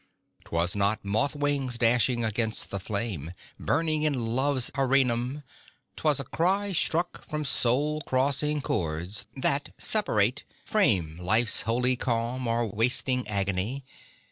'Twas not moth wings dashing against the flame, Burning in love's areanum; 'twas a cry Struck from soul crossing chords, that, separate, frame Life's holy calm, or wasting agony.